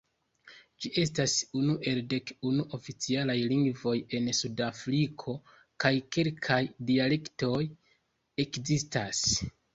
Ĝi estas unu el dek unu oficialaj lingvoj en Sud-Afriko, kaj kelkaj dialektoj ekzistas.